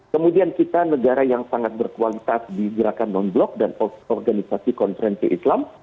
kemudian kita negara yang sangat berkualitas di gerakan non blok dan organisasi konferensi islam